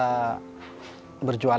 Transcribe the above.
gimana biasanya berjualan